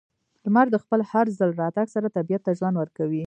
•لمر د خپل هر ځل راتګ سره طبیعت ته ژوند ورکوي.